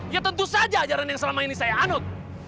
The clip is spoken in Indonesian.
ya tentu saja ajaran yang selama ini saya anut